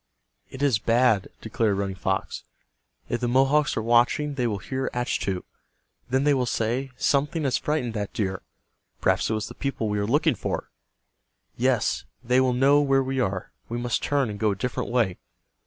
"It is bad," declared Running Fox. "If the Mohawks are watching they will hear Achtu. Then they will say, 'Something has frightened that deer. Perhaps it was the people we are looking for.' Yes, they will know where we are. We must turn and go a different way."